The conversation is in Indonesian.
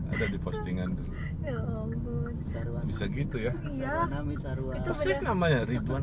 ada di postingan terlebih dahulu mimpi sarwa bisa gitu ya iya namanya ridwan